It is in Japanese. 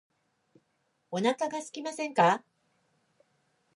お腹がすきませんか